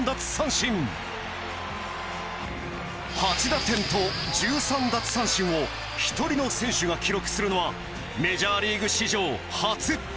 ８打点と１３奪三振を一人の選手が記録するのはメジャーリーグ史上初。